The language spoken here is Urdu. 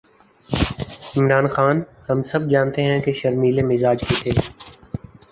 عمران خان، ہم سب جانتے ہیں کہ شرمیلے مزاج کے تھے۔